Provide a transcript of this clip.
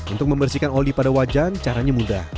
untuk membersihkan oli pada wajan caranya mudah